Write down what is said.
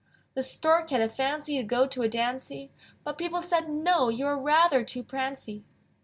The Stork had a fancy To go to a dancy, But people said, "No! You are rather too prancy!"